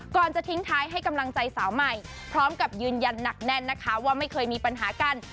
จะทิ้งท้ายให้กำลังใจสาวใหม่พร้อมกับยืนยันหนักแน่นนะคะว่าไม่เคยมีปัญหากัน